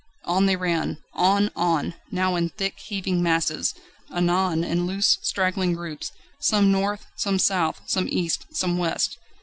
On they ran on! on! now in thick, heaving masses, anon in loose, straggling groups some north, some south, some east, some west.